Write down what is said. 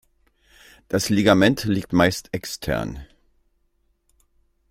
Das Ligament liegt meist extern.